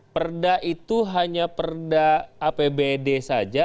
perda itu hanya perda apbd saja